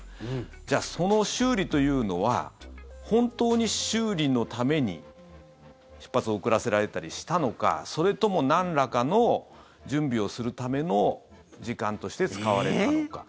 じゃあ、その修理というのは本当に修理のために出発を遅らせられたりしたのかそれともなんらかの準備をするための時間として使われたのか。